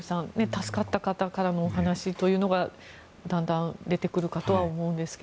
助かった方からのお話というのがだんだん出てくるかとは思うんですが。